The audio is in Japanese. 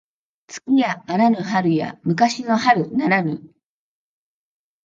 月やあらぬ春や昔の春ならぬ